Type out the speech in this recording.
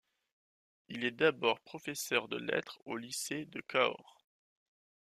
Il est d'abord professeur de lettres au Lycée de Cahors.